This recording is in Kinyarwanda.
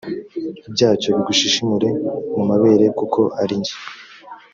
byacyo bigushishimure mu mabere kuko ari jye